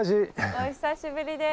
お久しぶりです。